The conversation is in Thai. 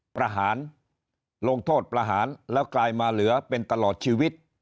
ประหารลงโทษประหารแล้วกลายมาเหลือเป็นตลอดชีวิต